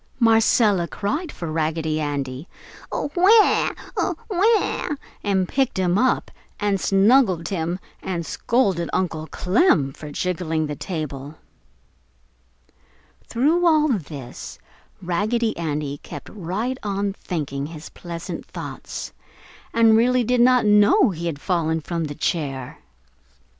Marcella cried for Raggedy Andy, "AWAA! AWAA!" and picked him up and snuggled him and scolded Uncle Clem for jiggling the table. Through all this Raggedy Andy kept right on thinking his pleasant thoughts, and really did not know he had fallen from the chair.